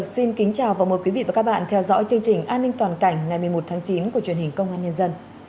xin chào quý vị và các bạn theo dõi chương trình an ninh toàn cảnh ngày một mươi một tháng chín của truyền hình công an nhân dân